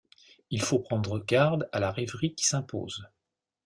Il faut prendre garde à la rêverie qui s’impose.